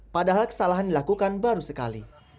padahal kesalahan dilakukan baru sekali